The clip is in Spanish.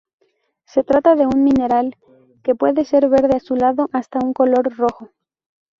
Se trata de un mineral que puede ser verde azulado hasta un color rojo.